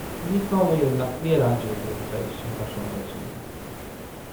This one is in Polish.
"Nikomu jednak nie radziłbym wejść w naszą rodzinę."